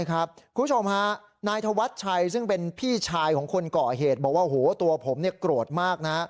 คุณผู้ชมฮะนายธวัชชัยซึ่งเป็นพี่ชายของคนก่อเหตุบอกว่าโอ้โหตัวผมโกรธมากนะ